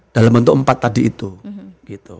dalam bentuk empat tadi itu